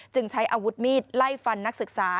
ใช้อาวุธมีดไล่ฟันนักศึกษา